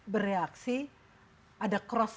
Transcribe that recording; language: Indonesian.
bereaksi ada cross